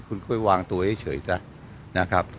คุณค่อยวางตัวเองเฉยซะ